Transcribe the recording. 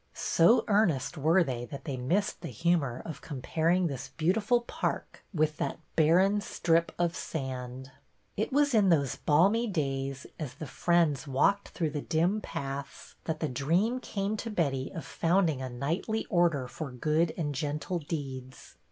So earnest were they that they missed the humor of comparing this beautiful park with that barren strip of sand. It was in those balmy days, as the friends walked through the dim paths, that the dream came to Betty of founding a knightly order for good and gentle deeds.